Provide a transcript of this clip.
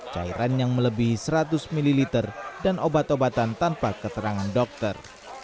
cairan yang melebihi seratus ml dan obat obatan tanpa keterangan dokter